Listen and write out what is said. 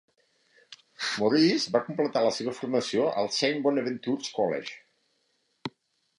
Morris va completar la seva formació al Saint Bonaventure's College.